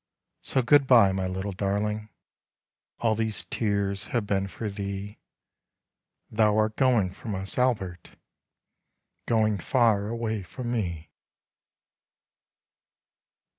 So good bye, my little darling; All these tears have been for thee Thou art going from us, Albert, Going far away from me.